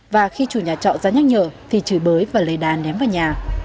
và khi chủ nhà trọ ra nhắc nhở thì chửi bới và lây đàn ném vào nhà